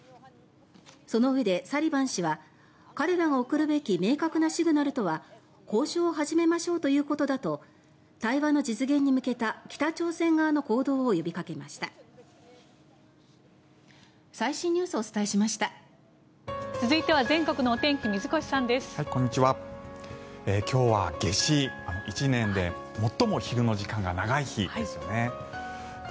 そのうえでサリバン氏は彼らが送るべき明確なシグナルとは交渉を始めましょうということだと対話の実現に向けた北朝鮮側の行動を呼びかけました。